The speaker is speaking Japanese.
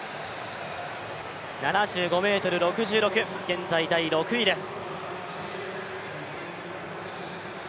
７５ｍ６６、現在第６位です。